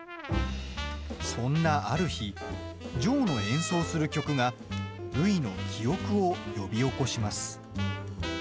そんなある日ジョーの演奏する曲がるいの記憶を呼び起こします。